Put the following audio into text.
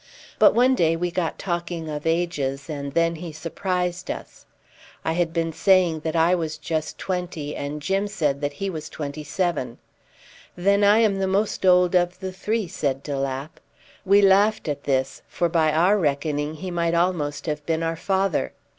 But one day we got talking of ages, and then he surprised us. I had been saying that I was just twenty, and Jim said that he was twenty seven. "Then I am the most old of the three," said de Lapp. We laughed at this, for by our reckoning he might almost have been our father.